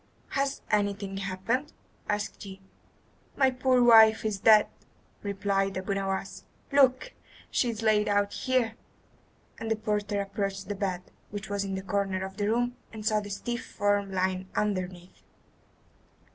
"Has anything happened?" asked he. "My poor wife is dead," replied Abu Nowas. "Look! she is laid out here." And the porter approached the bed, which was in a corner of the room, and saw the stiff form lying underneath.